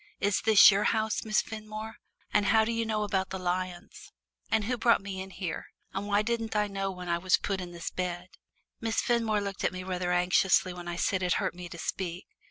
Is this your house, Miss Fenmore, and how do you know about the lions? And who brought me in here, and why didn't I know when I was put in this bed?" Miss Fenmore looked at me rather anxiously when I said it hurt me to speak.